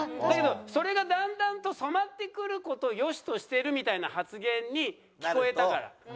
だけどそれがだんだんと染まってくる事をよしとしてるみたいな発言に聞こえたから。